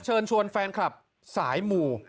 เชิญชวนแฟนคลับสายหมู่